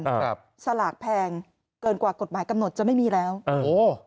ครับสลากแพงเกินกว่ากฎหมายกำหนดจะไม่มีแล้วอ่าโอ้